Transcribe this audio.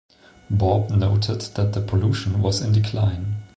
Bob noted that the pollution was in decline.